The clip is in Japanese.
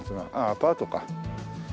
アパートか。